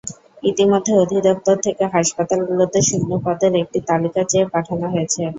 ইতিমধ্যে অধিদপ্তর থেকে হাসপাতালগুলোতে শূন্য পদের একটি তালিকা চেয়ে পাঠানো হয়েছে।